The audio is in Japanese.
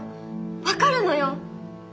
分かるのよ。